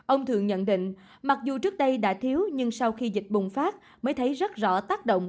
ông thường nhận định mặc dù trước đây đã thiếu nhưng sau khi dịch bùng phát mới thấy rất rõ tác động